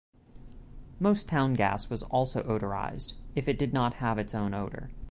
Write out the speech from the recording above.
Most town gas was also odorized, if it did not have its own odor.